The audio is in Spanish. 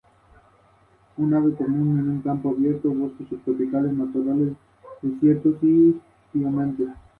Destacado por su extensa carrera tanto televisiva así como teatral y cinematográfica.